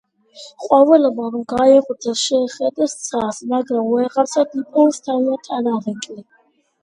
ყვავილებმა რომ გაიღვიძეს, შეხედეს ცას, მაგრამ ვეღარსად იპოვეს თავიანთი ანარეკლი.